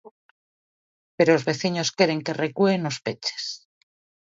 Pero os veciños queren que recúe nos peches.